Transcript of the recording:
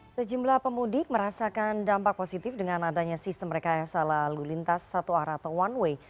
sejumlah pemudik merasakan dampak positif dengan adanya sistem rekayasa lalu lintas satu arah atau one way